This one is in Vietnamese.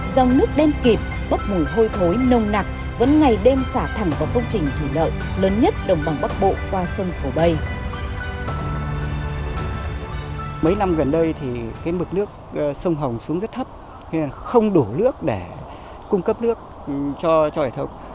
dòng nước đen kịp bốc mù hôi thối nông nặc vẫn ngày đêm xả thẳng vào công trình thủy lợi